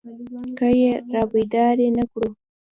که يې رابيدارې نه کړو.